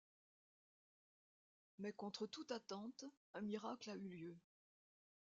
Mais contre toute attente, un miracle a eu lieu.